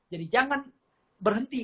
jadi jangan berhenti